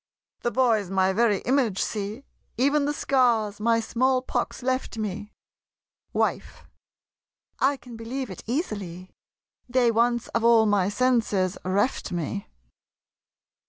The boy's my very image! See! Even the scars my small pox left me! WIFE. I can believe it easily They once of all my senses reft me.